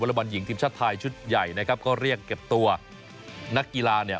บอลหญิงทีมชาติไทยชุดใหญ่นะครับก็เรียกเก็บตัวนักกีฬาเนี่ย